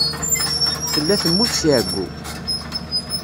Tella temmut si εeyyu.